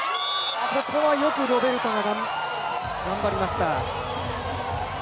ここはロベルタが頑張りました。